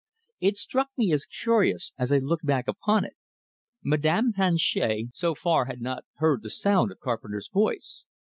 It struck me as curious, as I looked back upon it; Madame Planchet so far had not heard the sound of Carpenter's voice.